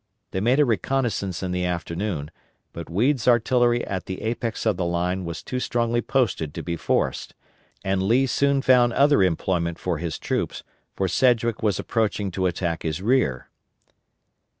They made a reconnoissance in the afternoon, but Weed's artillery at the apex of the line was too strongly posted to be forced, and Lee soon found other employment for his troops, for Sedgwick was approaching to attack his rear.